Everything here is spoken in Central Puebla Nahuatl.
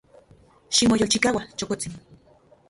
Ximoyolchikaua, chokotsin.